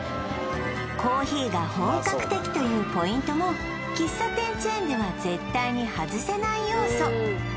コーヒーが本格的というポイントも喫茶店チェーンでは絶対に外せない要素